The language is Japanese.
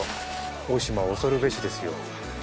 大島、恐るべしですよ。